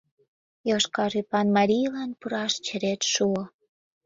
Йошкар ӱпан марийлан пураш черет шуо.